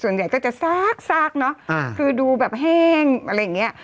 ส่วนใหญ่ก็จะซากซากเนอะคือดูแบบแห้งอะไรอย่างเงี้ย